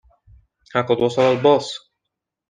ها قد وصل الباص.